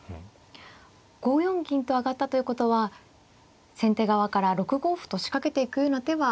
５四銀と上がったということは先手側から６五歩と仕掛けていくような手は。